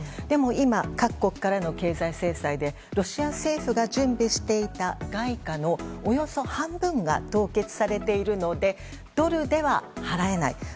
でも、各国からの経済制裁でロシア政府が準備していた外貨のおよそ半分が凍結しているのでドルでは払えない。